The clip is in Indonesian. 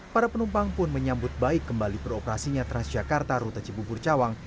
para penumpang pun menyambut baik kembali beroperasinya transjakarta rute cibubur cawang